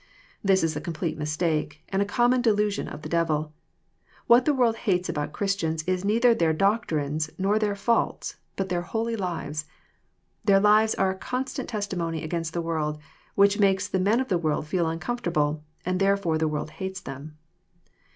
This is a complete mistake, and a common delusion of the devil. What the world hates about Christians is neither their doctrines, nor their faults, but their holy lives. Their lives are a constant testimony against the world, which makes the men of the world feel uncomfortable, and therefore the world hates them.